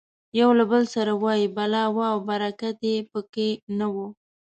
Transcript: یو له بل سره وایي بلا وه او برکت یې پکې نه و.